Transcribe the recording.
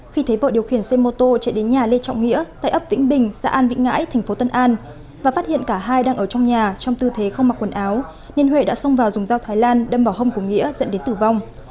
khi thấy vợ điều khiển xe mô tô chạy đến nhà lê trọng nghĩa tại ấp vĩnh bình xã an vĩnh ngãi thành phố tân an và phát hiện cả hai đang ở trong nhà trong tư thế không mặc quần áo nên huệ đã xông vào dùng dao thái lan đâm vào hông của nghĩa dẫn đến tử vong